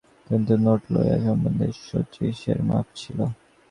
কিন্তু নোট লওয়া সম্বন্ধে শচীশের মাপ ছিল।